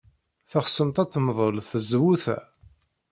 Teɣsemt ad temdel tzewwut-a?